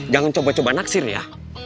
jangan coba coba naksir ya